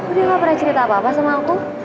oh dia gak pernah cerita apa apa sama aku